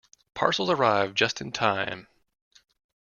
Parcels arrive just in time.